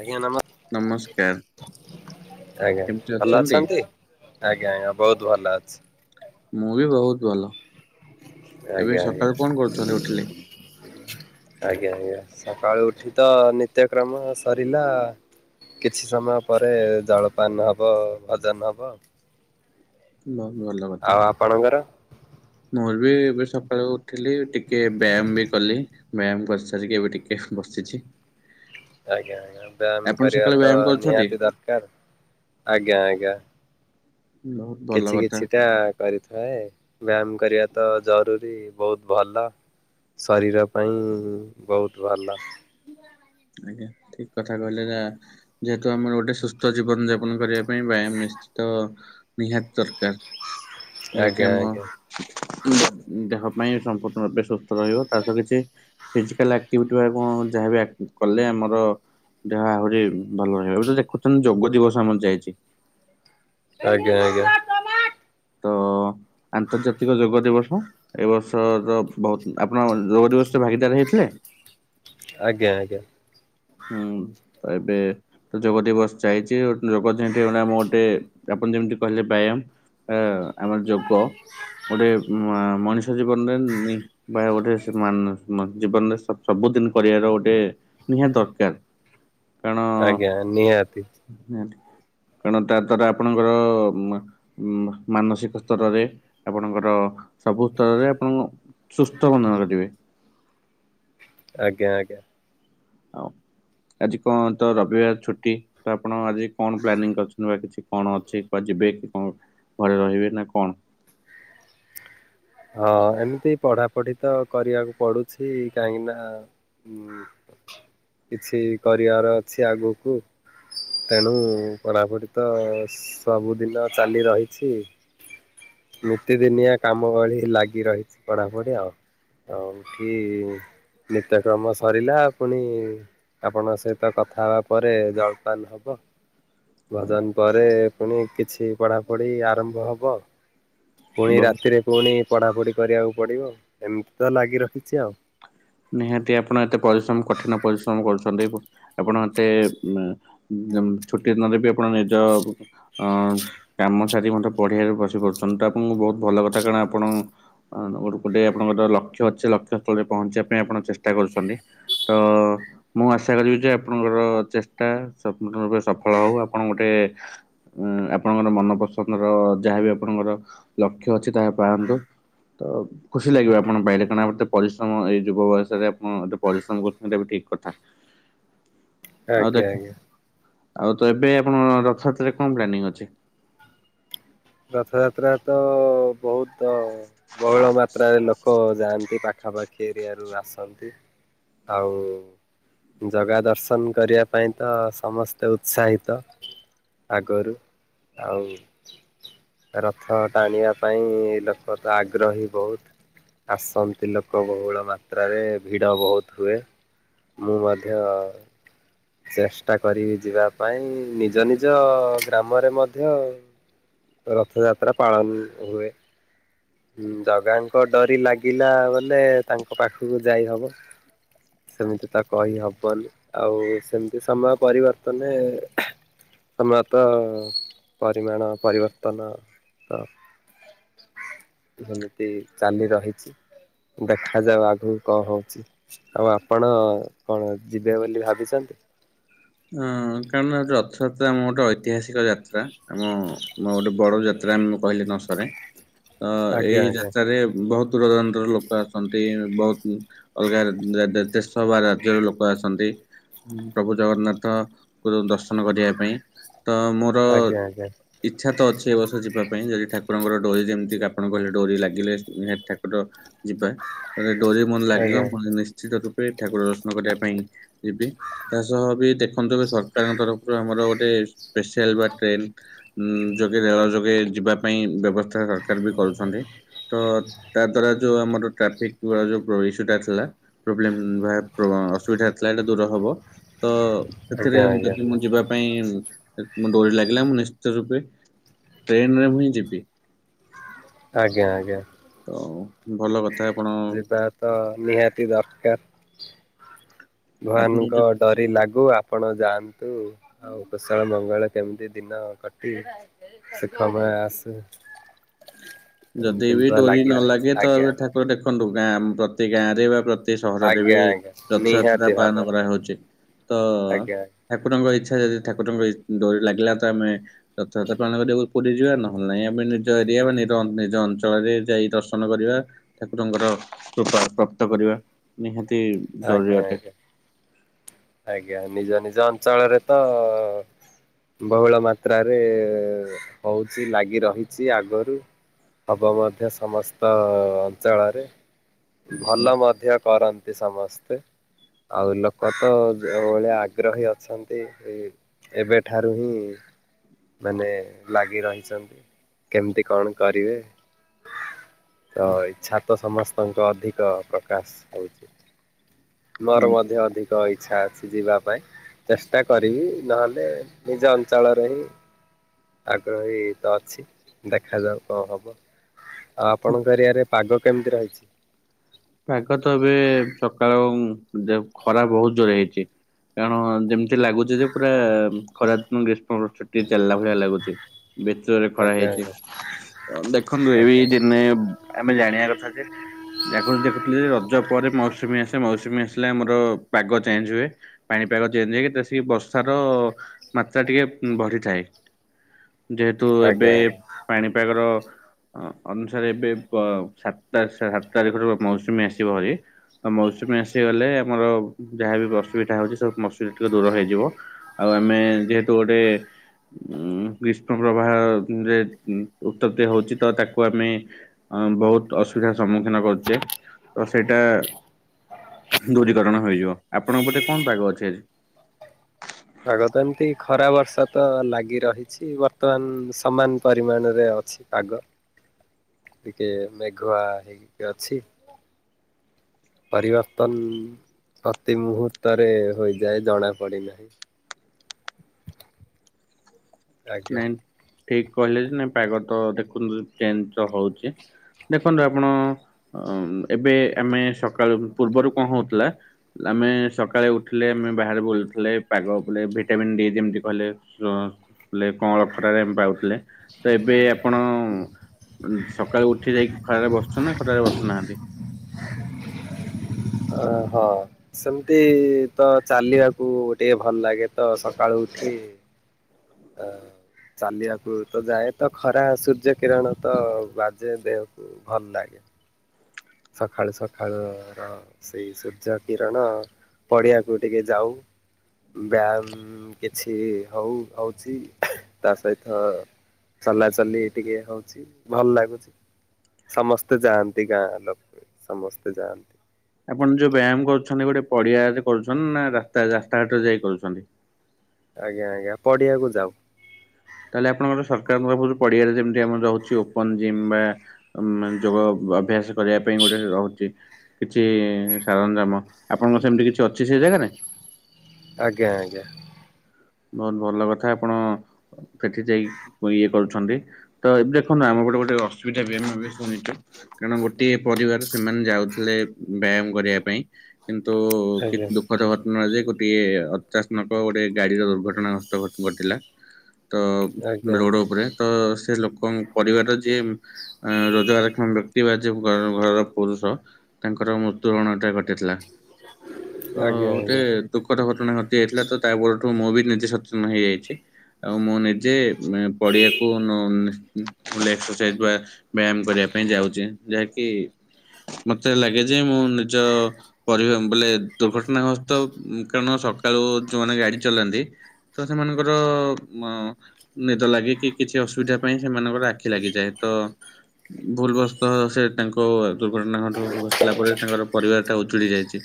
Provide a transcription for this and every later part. ଆଜ୍ଞା ନମସ୍କାର ନମସ୍କାର। ଆଜ୍ଞା ଭଲ ଅଛନ୍ତି ଆଜ୍ଞା ଆଜ୍ଞା ବୋହୁତ ଭଲଅଛି। ମୁଁ ବି ବୋହୁତ ଭଲ। ଏବେ ଆଜ୍ଞା ଆଜ୍ଞା ସକାଳୁ କଣ କରୁଛନ୍ତି ଉଠିଲେ? ଆଜ୍ଞା ଆଜ୍ଞା। ସକାଳୁ ଉଠି ତ ନିତ୍ୟକ୍ରମ ସରିଲା। କିଛି ସମୟ ପରେ ଜଳପାନ ହବ ଭୋଜନ ହବ ଆଉ। ବୋହୁତ ଭଲ କଥା ଆପଣଙ୍କର? ନ ହେ ଏ ଏବେ ସକାଳୁ ଉଠିଲି ଟିକେ ବ୍ୟାମ୍ ବି କଲି ବ୍ୟାମ୍ କରିସାରିକି ଏବେ ଟିକେ ବସିଚି। ହଁ ଆଜ୍ଞା ଆଜ୍ଞା ବ୍ୟାମ୍ କରିବା ତ କରୁଛନ୍ତି? ନିହାତି ଦରକାର ଆଜ୍ଞା ଆଜ୍ଞା। ବହୁତ ଭଲ କିଛି କଥା କିଛିଟା କରିଥାଏ। ବ୍ୟାୟାମ କରିବା ତ ଜରୁରୀ ବହୁତ ଭଲ ଶରୀର ପାଇଁ ବହୁତ ଭଲ ଆଜ୍ଞା ଠିକ କଥା କହିଲେ ଯା ଯେହେତୁ ଆମର ଗୋଟେ ସୁସ୍ଥ ଜୀବନ ଯାପନ କରିବା ପାଇଁ ବ୍ୟାୟାମ ନିଶ୍ଚିତ ନିହାତି ଦରକାର ଯାହାକି ଆଜ୍ଞା ଆମ ଆଜ୍ଞା। ଦେହ ପାଇଁ ସମ୍ପୂର୍ଣ୍ଣ ରୂପେ ସୁସ୍ଥ ରହିବ ତା ସହିତ କିଛି ଫିଜିକାଲ ଆକ୍ଟିଭିଟି ବା କଣ ଯାହାବ କଲେ ଆମର ଦେହ ଆହୁରି ଭଲ ରହିବ ଏ ତ ଦେଖୁଛନ୍ତି ଯୋଗ ଦିବସ ଆମର ଯାଇଛି। ଆଜ୍ଞା ଆଜ୍ଞା। ତ-ଅ-ଅ ଆନ୍ତର୍ଜାତିକ ଯୋଗ ଦିବସ, ଏ ବର୍ଷର ବହୁତ ଆପଣ ଯୋଗ ଦିବସ ଭାଗିଦାର ହେଇଥିଲେ? ଆଜ୍ଞା ଆଜ୍ଞା। ହୁଁ ଏବେ ଯୋଗ ଦିବସ ଯାଇଛି ଯୋଗ ଯେଉଁଠି ମୁଁ ଗୋଟେ ଯେମିତି କହିଲେ ବ୍ୟାୟାମ ଆ ଆମର ଯୋଗ ଗୋଟେ ମଣିଷ ଜୀବନରେ ଉମ୍ ବା ଗୋଟେ ଜୀବନ ଜିବନରେ ସବୁଦିନ କରିବାର ଗୋଟେ ନିହାତି ଦରକାର। କାରଣ ଆଜ୍ଞା ନିହାତି। କାରଣ ତା ଦ୍ଵାରା ଆପଣଙ୍କର ମ-ମ-ମାନସିକ ସ୍ତରରେ ଆପଣଙ୍କର ସବୁ ସ୍ତରରେ ଆପଣଙ୍କୁ ସୁସ୍ଥ ଅନୁଭବ କାରିବେ। ଆଜ୍ଞା ଆଜ୍ଞା। ହଉ। ଆଜି କଣ ତ ରବିବାର ଛୁଟି ତ ଆପଣ ଆଜି କଣ ପ୍ଲାନିଂ କରିଛନ୍ତି ବା କିଛି କଣ ଅଛି ଏବେ କଣ ଘରେ ରହିବେ ନା କଣ? ହଁ ଏମିତି ପଢା ପଢି ତ କରିବାକୁ ପଡୁଛି କାହିଁକି ନା ହଁ କିଛି କରିବାର ଅଛି ଆଗକୁ। ତେଣୁ ପଢ଼ାପଢ଼ି ତ ସବୁଦିନ ଚାଲି ରହିଛି। ନିତିଦିନିଆ କାମ ଭଳି ଲାଗି ରହିଛି ପଢାପଢି ଆଉ। ଆଉ ଏଠି ନିତ୍ୟକ୍ରମ ସରିଲା, ପୁଣି ଆପଣଙ୍କ ସହିତ କଥା ହେବା ପରେ ଜଳପାନ ହବ। ଭଜନ ପରେ ପୁଣି କିଛି ପଢାପଢି ଆରମ୍ଭ ହବ। ପୁଣି ବହୁତ ରାତିରେ ପୁଣି ପଢାପଢି କରିବାକୁ ପଡିବ ଏମିତି ତ ଲାଗି ରହିଛି ଆଉ। ନିହାତି ଆପଣ ଏତେ ପରିଶ୍ରମ କଠିନ ପରିଶ୍ରମ କରୁଛନ୍ତି। ଆପଣ ଏତେ ମ ଉମ୍ ଛୁଟି ଦିନରେ ବି ଆପଣ ନିଜ ଅ କାମ ସାରି [unintelligible] ପଢିବା କୁ ବସି ପାରୁଛନ୍ତି ତ? ଆପଣଙ୍କୁ ବହୁତ ଭଲ କଥା କାରଣ ଆପଣ ଗ ଗୋଟେ ଆପଣଙ୍କର ଲକ୍ଷ୍ୟ ଅଛି ଲକ୍ଷ୍ୟସ୍ଥଳରେ ପହଞ୍ଚିବା କାଇଁ ଆପଣ ଚେଷ୍ଟା କରୁଛନ୍ତି। ତ-ଅ-ଅ ମୁଁ ଆଶା କରିବି ଯେ ଆପଣଙ୍କର ଚେଷ୍ଟା ସମ୍ପୂର୍ଣ୍ଣ ଭାବେ ସଫଳ ହଉ ଆପଣ ଗୋଟେ ହେ ଉମ୍ ଆପଣଙ୍କର ମନପସନ୍ଦର-ଅ ଯାହାବି ଆପଣଙ୍କର ଲକ୍ଷ୍ୟ ଅଛି ତାହା ପାଆନ୍ତୁ। ତ ଖୁସି ଲାଗିବ ଆପଣ ପାଇଲେ କାରଣ ଏତେ ପରିଶ୍ରମ ଏଇ ଯୁବ ବୟସରେ ଆପଣ ଏତେ ପରିଶ୍ରମ କରୁଛନ୍ତି ଏଟା ବି ଠିକ କଥା। ଆଉ ଆଜ୍ଞା ଦେଖ ଆଜ୍ଞା। ଆଉ ତ ଏବେ ଆପଣ ରଥଯାତ୍ରାରେ କଣ ପ୍ଲାନିଂ ଅଛି? ରଥଯାତ୍ରା ତ-ଅ-ଅ ବହୁତ ବହୁଳ ମାତ୍ରାରେ ଲକ୍ଷ ଓ ଯାଆନ୍ତି ପାଖାପାଖି ଏରିଆରୁ ଆସନ୍ତି, ଆଉ ଜଗା ଦର୍ଶନ କରିବା ପାଇଁ ତ ସମସ୍ତେ ଉତ୍ସାହିତ। ଆଗରୁ ଆଉ ରଥ ଟାଣିବା ପାଇଁ-ଇ-ଇ ଲୋକ ତ ଆଗ୍ରହୀ ବହୁତ। ଆସନ୍ତି ଲୋକ ବହୁଳ ମାତ୍ରାରେ ଭିଡ଼ ବହୁତ ହୁଏ। ମୁଁ ମଧ୍ୟ ଚେଷ୍ଟା କରିବି ଯିବା ପାଇଁ ନିଜ ନିଜ ଗ୍ରାମରେ ମଧ୍ୟ ରଥଯାତ୍ରା ପାଳନ ହୁଏ। ହୁଁ ଜଗାଙ୍କ ଡରି ଲାଗିଲା ବୋଲେ ତାଙ୍କ ପାଖକୁ ଯାଇ ହବ। ସେମିତି ତ କହି ହବନି ଆଉ ସେମିତି ସମୟ ପରିବର୍ତ୍ତନେ ସମୟ ତ ପରିମାଣ ପରିିବର୍ତ୍ତନ ତ [inaudible] ଯେମିତି ଚାଲି ରହିଛି। ଦେଖାଯାଉ ଆଗକୁ କଣ ହଉଛି ଆଉ ଆପଣ କଣ ଯିବେ ବୋଲି ଭାବିଚନ୍ତି? ହଁ ଉଁ-ଉଁ କାରଣ ରଥଯାତ୍ରା ଆମ ଗୋଟେ ଐତିହାସିକ ଯାତ୍ରା ଆମ ମ ଗୋଟେ ବଡ ଯା ତ୍ରା ଆମେ କହିଲେ ନ ସରେ ତ ଆଜ୍ଞା ଏଇ ଆଜ୍ଞା ଯାତ୍ରାରେ ବହୁତ୍ ଦୂରଦୂରାନ୍ତରରୁ ଲୋକ ଆସନ୍ତି ବହୁତ୍ ଅଲଗା ରା ଦେଶ ବା ରାଜ୍ୟର ଲୋକ ଆସନ୍ତି। ପ୍ରଭୁ ଜଗନ୍ନାଥ୍ ଙ୍କ ଦର୍ଶନ କରିବା ପାଇଁ ତ ମୋର ଆଜ୍ଞା ଆଜ୍ଞା ଇଚ୍ଛା ତ ଅଛି। ଏ ବର୍ଷ ଯିବା ପାଇଁ ଯଦି ଠାକୁରଙ୍କର ଡୋରି ଯେମିତି ଆପଣ କହିଲେ ଡୋରି ଲାଗିଲେ ନିହାତି ଠାକୁର ଯିବା। [unintelligible] ଡୋରି ମୋର ଲାଗିବ ଆଜ୍ଞା ମୁଁ ନିଶ୍ଚିତ ରୂପେ ଠାକୁର ଦର୍ଶନ କରିବା ପାଇଁ ଯିବି ତା ସହ ବି ଦେଖ୍ ଦେଖନ୍ତୁ ସରକାରଙ୍କ ତରଫରୁ ଆମର ଗୋଟେ ସ୍ପେଶିୟାଲ୍ ବା ଟ୍ରେନ୍ ଯୋଗେ ରେଳ ଯୋଗେ ଯିବା ପାଇଁ ବ୍ୟବସ୍ଥା ସରକାର ବି କରୁଛନ୍ତି‌। ତ ତା ଦ୍ଵାରା ଯୋଉ ଆମର ଟ୍ରାଫିକ୍ ଯୋଗାଯୋଗ ଇସ୍ୟୁଟା ଥିଲା ପ୍ରୋବ୍ଲେମ୍ ବା ପ୍ରୋ ହଁ ଅସୁବିଧା ଥିଲା ଏଇଟା ଦୂର ହବ, ତ ସେଥିରେ ଆଜ୍ଞା ଆଜ୍ଞା ଯଦି ମୁଁ ଯିବା ପାଇଁ ମୋ ଡୋରି ଲାଗିଲା ମୁଁ ନିଶ୍ଚିତ ରୂପେ ଟ୍ରେନରେ ମୁହିଁ ଯିବି। ଆଜ୍ଞା-ଆଜ୍ଞା। ତ ଭଲ କ ଯିବା ତ ନିହାତି ଦରକାର। ଆପଣ ଭବାନଙ୍କ ଯଦି ଡରି ଲାଗ୍ ଗୁ, ଆପଣ ଯାଆନ୍ତୁ ଆଉ କୁଶଳ ମଙ୍ଗଳ କେମିତି ଦିନ କଟି ସେ [unintelligible] ଆସୁ। [inaudible] ଯଦି ଏମିତି ବି ତ ଡୋରି ଲାଗି ନ ରହିଛି ଲାଗେ ତ ଆଜ୍ଞା। ଠାକୁର ଦେଖନ୍ତୁ ଗାଁଆ ପ୍ରତି ଗାଆଁରେ ବା ପ୍ରତି ଏ ସହରରେ ବି ଆଜ୍ଞା ଆଜ୍ଞା ରଥଯାତ୍ରା ନିହାତି ପାଳନ ଭାବରେ କରାହଉଛି ତ ଆଜ୍ଞା ଠାକୁରଙ୍କ ଇଛା। ଯଦି ଠାକୁରଙ୍କ ଇ ଡୋରି ଲାଗିଲା ତ ଆମେ ରଥଯାତ୍ରା ପାଳନ କରିବାକୁ ପୁରୀ ଯିବା ନହେଲେ ନାଇଁ ଆମେ ନିଜ ଏରିଆ ବା ନି ନିଜ ନିଜ ଅଞ୍ଚଳରେ ଯାଇ ଦର୍ଶନ କରିବା ଠାକୁରଙ୍କର କୃପା ପ୍ରାପ୍ତ କରିବା, ନିହାତି। [inaudible] ଜରୁରୀ ଆଜ୍ଞା ଅଟେ। ଆଜ୍ଞା। ଆଜ୍ଞା ନିଜ ନିଜ ଅଞ୍ଚଳରେ ତ ବହୁଳ ମାତ୍ରାରେଏ-ଏ-ଏ ହଉଛି ଲାଗି ରହିଛି ଆଗରୁ। ହବ ମଧ୍ୟ ସମସ୍ତ ଅଞ୍ଚଳରେ। ଭଲ ମଧ୍ୟ କରନ୍ତି ସମସ୍ତେ, ଆଉ ଲୋକ ତ ଯୋଉଭଳିଆ ଆଗ୍ରହୀ ଅଛନ୍ତି ଏବେଠାରୁ ହିଁ ମାନେ ଲାଗି ରହିଛନ୍ତି କେମିତି କଣ କରିବେ ତ ଇଚ୍ଛା ତ ସମସ୍ତଙ୍କ ଅଧିକ ପ୍ରକାଶ ହଉଛି। ମୋର ହୁଁ ମଧ୍ୟ ଅଧିକ ଇ ଇଛା ଅଛି ଯିବା ପାଇଁ, ଚେଷ୍ଟା କରିବି ନହେଲେ ନିଜ ଅଞ୍ଚଳରେ ହିଁ ଆଗ୍ରହୀ ତ ଅଛି ଦେଖାଯାଉ କଣ ହବ ଆଉ ଆପଣଙ୍କ ଏରିଆରେ ପାଗ କେମିତି ରହିଛି! ପାଗ ତ ଏବେ ସକାଳ ଦେ ଖରା ବହୁତ ଜୋରରେ ହେଇଛି। କାରଣ ଯେମିତି ଲାଗୁଛି ଯେ ପୁରା ଖରା ଦି ଗ୍ରୀଷ୍ମ ଛୁଟି ଚାଲିଲା ଭଳିଆ ଲାଗୁଛି। ଭିତରେ ଖରା ଆଜ୍ଞା ହେଇଛି। ଆଜ୍ଞା ଦେଖନ୍ତୁ ଏଇ ଆଜ୍ଞା ଦିନେ ଆମେ ଜାଣିବା କଥା ଯେ [inaudible] [unintelligible] ରଜ ପରେ ମୌସୁମୀ ଆସେ ମୌସୁମୀ ଆସିଲେ ଆମର ପାଗ ଚେଞ୍ଜ ହୁଏ, ପାଣି ପାଗ ଚେଞ୍ଜ ହେଇକି ତ ବେଶୀ ବର୍ଷାର ମାତ୍ରା ଟିକେ ବଢିଥାଏ। ଯେହେତୁ ଆଜ୍ଞା ଏବେ ଆଜ୍ଞା। ପାଣିପାଗର‌ ଅ ଅନୁସାରେ ଏବେ ବ ସାତ ସାତ ସାତ ତାରିଖରୁ ମୌସୁମୀ ଆସିବ ଭରି ଆ ମୌସୁମୀ ଆସିଗଲେ ଆମର ଯାହା ବିି ଅସୁବିଧା ହଉଛି ସବୁ ମୌସୁ [unintelligible] ଦୂର ହେଇଯିବ ଆଉ ଆମେ ଯେହେତୁ ଗୋଟେ ଉଁ ଗ୍ରୀଷ୍ମ ପ୍ରବାହରେ ଉତ୍ତପତି ହଉଚି ତ ତାକୁ ଆମେ ଅଁ ବହୁତ ଅସୁବିଧାର ସମ୍ମୁଖୀନ କରୁଚେ। ତ ସେଇଟା ଦୂରୀକରଣ ହୋଇଯିବ। ଆପଣଙ୍କ ପଟେ କଣ ପାଗ ଅଛି ଆଜି। ପାଗ ତ ଏମିତି ଖରା ବର୍ଷା ତ ଲାଗି ରହିଛି ବର୍ତ୍ତମାନ ସମାନ ପରିମାଣରେ ଅଛି ପାଗ। ହ। ଟିକେ ମେଘୁଆ ହେଇକି ଅଛି। ପରିବର୍ତ୍ତନ ପ୍ରତି ମୁହୂର୍ତ୍ତରେ ହୋଇଯାଏ ଜଣା ପଡେନାହିଁ। [unintelligible] ଆଜ୍ଞା। ନାଇଁ ଠିକ କହିଲେ ଯେ ନାଇଁ ପାଗ ତ ଦେଖନ୍ତୁ ଚେଞ୍ଜ ତ ହଉଚି। ଦେଖନ୍ତୁ ଆପଣ ଏବେ ଉଁ ଆମେ ସକାଳ ପୂର୍ବରୁ କଣ ହଉଥିଲା ନା ଆମେ ସକାଳେ ଉଠିଲେ ଆମେ ବାହାରେ ବୁଲୁଥିଲେ ପାଗ [unintelligible] ଭିଟାମିନ୍ ଡି ଯେମତି କହିଲେ ଚ ଲେ କଅଁଳ ଖରାରେ ଆମେ ପାଉଥିଲେ ତ ଏବେ ଆପଣ ସକାଳୁ ଉଠ ଉଠି ଯାଇକି ଖରାରେ ବସୁଚନ୍ତି ନା ଖରାରେ ବସୁ ନାହାନ୍ତି। ଅ ହଁ ସେମିତି ତ ଚାଲିବାକୁ ଟିକେ ଭଲ ଲାଗେ ତ ସକାଳୁ ଉଠି ଠି ଅ ଚାଲିବାକୁ ତ ଯାଏ, ତ ଖରା ସୂର୍ଯ୍ୟ କିରଣ ତ ବାଜେ ଦେହକୁ ଭଲ ଲାଗେ। ହୁଁ। ସଖାଳୁ ସଖାଳୁ ର ସେଇ ସୂର୍ଯ୍ୟ କିରଣ ପଡିଆକୁ ଟିକେ ଯାଉ। ବ୍ୟାୟାମ କିଛି ହଉ ହଉଛି ତା ସହିତ ଚଲାଚଲି ଟିକେ ହଉଛି ଭଲ ଲାଗୁଛି ସମସ୍ତେ ଯାଆନ୍ତି ଗାଁ ଲୋକ। ସମସ୍ତେ ଯାଆନ୍ତି। ଆପଣ ଯୋଉ ବ୍ୟାୟାମ କରୁଛନ୍ତି ଗୋଟେ ପଡିଆରେ କରୁଛନ୍ତି ନା ରାସ୍ତା ରାସ୍ତା ରାସ୍ତାଘାଟରେ ଯାଇ କରୁଛନ୍ତି। ଆଜ୍ଞା ଆଜ୍ଞା ପଡିଆକୁ ଯାଉ। ତାହେଲେ ଆପଣଙ୍କର ସରକାରଙ୍କ ତରଫରୁ ପଡିଆରେ ଯେମତି ଆମର ରହୁଛି ଓପନ ଜିମ୍ ବା ଉଁ ମା ଯୋଗ ଅଭ୍ୟାସ କରିବା ପାଇଁ ଗୋଟେ ରହୁଚି। କିଛି ସରଞ୍ଜାମ ଆପଣଙ୍କର ସେମତି କିଛି ଅଛି ସେ ଜାଗାରେ। ଆଜ୍ଞା ଆଜ୍ଞା। ବହୁତ ଭଲ କଥା ଆପଣ ସେଠି ଯାଇ ଇଏ କରୁଛନ୍ତି ତ ଏ ଦେଖନ୍ତୁ ଆମ ଗୋଟେ ଗୋଟେ ଅସୁବିଧା ବି ହୁଏ ମେ ବି ଶୁଣିଛ କାରଣ ଗୋଟିଏ ପରିବାର ସେମାନେ ଯାଉଥିଲେ ବ୍ୟାୟାମ କରି ବା ପାଇଁ କିନ୍ତୁ ଟେ ଆଜ୍ଞା ଦୁଃଖଦ ଘଟଣା ଯେ ଗୋଟିଏ ଅଚାସ୍ମକ ଗୋଟେ ଗାଡିର ଘଟଣା ଗ୍ରସ୍ତ ଘଟ ଘଟିଲା ତ ଆଜ୍ଞା ଆଜ୍ଞା ରୋଡ ଉପରେ ତ ସେ ଲୋକଙ୍କ ପରିବାର ଯିଏ ଏଁ ରୋଜଗାରକ୍ଷମ ବ୍ୟକ୍ତି ବା ଯେ ଘର ଘରର ପୁରୁଷ ତାଙ୍କର ମୃତ୍ୟୁବରଣ ଟା ଘଟିଥିଲା। ତ ଆଜ୍ଞା ଆଜ୍ଞା ଗୋଟେ ଦୁଃଖଦ ଘଟଣା ଘଟି ଯାଇଥିଲା ତ ତାପରଠୁ ମୁଁ ବି ନିଜେ ସଚେତନ ହେଇଯାଇଛି ଆଉ ମୁଁ ନିଜେ ମେ ପଡିଆକୁ ନିଶ୍ଚି ଏକ୍ସରସାଇଯ ବ୍ୟାୟାମ କରିବା ପାଇଁ ଯାଉଚି ଯାହାକି ମତେ ଲାଗେ ଯେ ମୁଁ ନିଜ ପରିବାର ବୋଲେ ଦୁର୍ଘଟଣା ଗ୍ରସ୍ତ ଉଁ କାରଣ ସକାଳୁ ଯୋଉମାନେ ଗାଡି ଚଲାନ୍ତି ତ ସେମାନଙ୍କର ମ ନିଦ ଲାଗେ କିି କିଛି ଅସୁବିଧା ପାଇଁ ସେମାନଙ୍କର ଆଖି ଲାଗିଯାଏ। ତ ଭୁଲବସ୍ତ ସେ ତାଙ୍କ ଦୁର୍ଘଟଣା ଘଟ ଘଟିଲା ପରେ ତାଙ୍କର ପରିବାରଟା ଉ ଯାଇଛି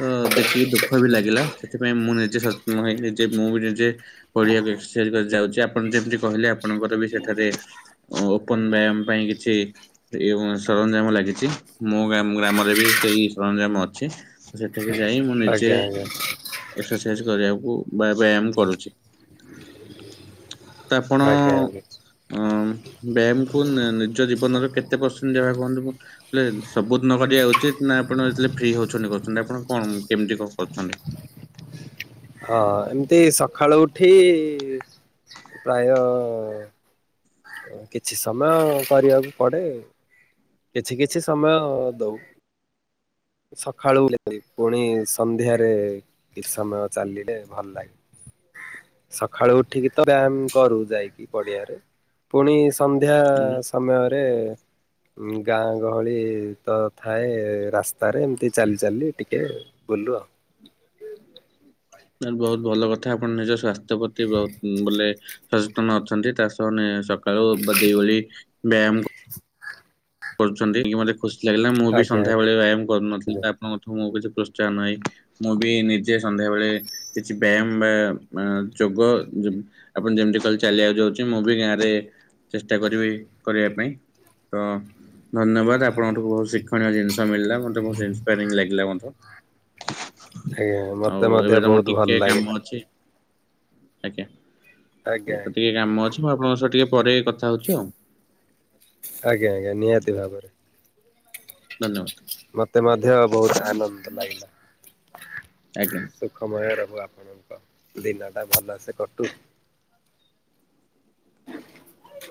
ତ ଦେଖିକି ଦୁଃଖ ବି ଲାଗିଲା ସେଥିପାଇଁ ମୁଁ ନିଜେ ସନ ହେ ନିଜେ ମୁଁ। ଯେ କରିବା [unintelligible] ପାଇଁ ଯାଉଚି ଆପଣ ଯେମିତି କହିଲେ ଆପଣଙ୍କର ବି ସେଠାରେ ଅତ୍ୟନ୍ତ ବ ପାଇଁ କିଛି ସରଞ୍ଜାମ ଲାଗିଛି ମୁଁ ଗ୍ରାମରେ ବି ସେଇ ସରଞ୍ଜାମ ଅଛି ସେଠି କି ଯାଇ ମୁଁ ନିଜେ ଆଜ୍ଞା ଆଜ୍ଞା ଏକ୍ସରସାଇଜ କରିବାକୁ ବା ବ୍ୟାୟାମ କରୁଛି ତ ଆପଣ ଆଜ୍ଞା ଆଜ୍ଞା ଅ ବ୍ୟାୟାମ କୁ ନିଜ ଜୀବନରେ କେତେ ପରସେଣ୍ଟ ଦେବା କୁହନ୍ତୁ। ସବୁଦିନ କରିବା ଉଚିତ ନା ଆପଣ ଯେତେବେଳେ ଫ୍ରି ହଉଛନ୍ତି କରୁଛନ୍ତି। ଆପଣ କଣ କେମିତି କଣ କରଛନ୍ତି? ହଁ ଏମିତି ସକାଳୁ ଉଠି ପ୍ରାୟ କିଛି ସମୟ କରିବାକୁ ପଡେ। କିଛି କିଛି ସମୟ ଦଉ ସକାଳୁ [unintelligible] ପୁଣି ସନ୍ଧ୍ୟାରେ କିଛି ସମୟ ଚାଲିଲେ ଭଲ ଲାଗେ। [inaudible] ସକାଳୁ ଉଠିକି ତ ବ୍ୟାୟାମ କରୁ ଯାଇକି ପଡିଆରେ। ପୁଣି ସନ୍ଧ୍ୟା ସମୟରେ ଗାଁ ଗହଳି ତ ଥାଏ ରାସ୍ତା। ତାର ଏମିତି ଚାଲି ଚାଲି ଟିକେ ବୁଲୁ ଆଉ। ବହୁତ ଭଲ କଥା ଆପଣ ନିଜ ସ୍ୱାସ୍ଥ୍ୟ ପ୍ରତି ବହୁତ ବୋଲେ ସଚେତନ ଅଛନ୍ତି ତା ସହ [unintelligible] ବ୍ୟାୟାମ କରୁଛନ୍ତି କି ମୋତେ ଖୁସି ଲାଗିଲା। ମୁଁ ବି ଆଜ୍ଞା ସନ୍ଧ୍ୟାବେଳେ ବ୍ୟାୟାମ କରୁନଥିଲି। ତ ଆପଣଙ୍କଠୁ ମୁଁ କିଛି ଉତ୍ସାହ ନାହିଁ ମୁଁ ବି ନିଜେ ସନ୍ଧ୍ୟାବେେଳେ କିଛି ବ୍ୟାୟାମ ବା ଯୋଗ ଆପଣ ଯେମିତି କହିଲ ଚାଲିବାକୁ ଯାଉଛି ମୁଁ ବି ଗାଁରେ ଚେଷ୍ଟା କରିବି କରିବା ପାଇଁ। ତ ଧନ୍ୟବାଦ ଆପଣଙ୍କଠୁ ବହୁତ ଶିକ୍ଷଣୀୟ ଜିନିଷ ମିଳିଲା ମତେ ବହୁତ ଇନ୍ସପାରିଙ୍ଗ ଲାଗିଲା ମୋତେ। ଆଜ୍ଞା ମତେ ଆଉ ମଧ୍ୟ ଏବେ ତମର ବହୁତ ଭଲ ଟିକେ ଲାଗିଲା କାମ ଅଛି। ଆଜ୍ଞା ଆଜ୍ଞା ଗଟେ ଆଜ୍ଞା। ଟିକେ କାମ ଅଛି ମୁଁ ଆପଣଙ୍କ ସହ ଟିକେ ପରେ କଥା ହଉଛୁ ଆଉ। ଆଜ୍ଞା ଆଜ୍ଞା ନିହାତି ଭାବରେ ଧନ୍ୟବାଦ। ମତେ ମଧ୍ୟ ବହୁତ ଆନନ୍ଦ ଲାଗିଲା। ଆଜ୍ଞା। ସୁଖମୟ ରହୁ ଆପଣଙ୍କ ଦିନ ଟା ଭଲସେ କଟୁ। ହ [inaudible]